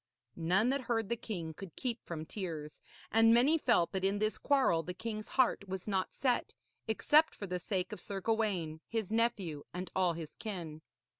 None that heard the king could keep from tears; and many felt that in this quarrel the king's heart was not set, except for the sake of Sir Gawaine, his nephew, and all his kin.